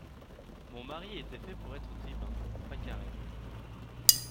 Mon mari était fait pour être tribun, Pacarel .